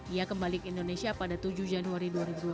ia kembali ke indonesia pada tujuh januari dua ribu dua puluh